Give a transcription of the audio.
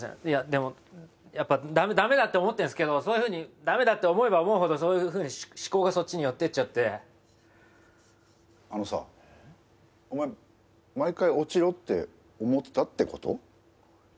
いやでもやっぱダメだって思ってんすけどそういうふうにダメだって思えば思うほどそういうふうに思考がそっちに寄ってっちゃってあのさお前毎回落ちろって思ってたってこと？